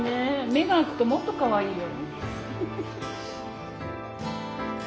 目が明くともっとかわいいよ。